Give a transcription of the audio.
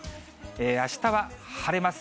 あしたは晴れます。